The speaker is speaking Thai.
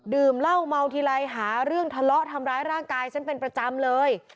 ดื่มเหล้าเมาทีไรหาเรื่องทะเลาะทำร้ายร่างกายฉันเป็นประจำเลย